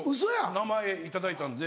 名前いただいたんで。